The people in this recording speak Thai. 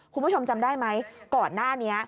คุณผู้ชมจำได้ไหมก่อนหน้านี้